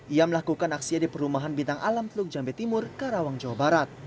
ia melakukan aksinya di perumahan bintang alam teluk jambe timur karawang jawa barat